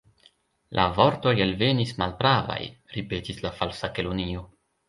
"La vortoj elvenis malpravaj," ripetis la Falsa Kelonio.